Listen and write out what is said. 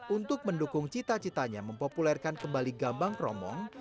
untuk mendukung cita citanya mempopulerkan kembali gambang kromong